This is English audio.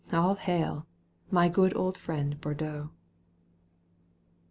All hail ! my good old friend Bordeaux